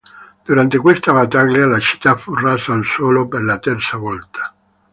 Durante questa battaglia la città fu rasa al suolo per la terza volta.